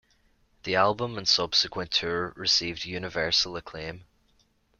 The album and subsequent tour received universal acclaim.